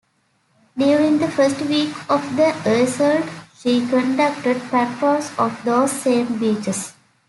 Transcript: During the first week of the assault, she conducted patrols off those same beaches.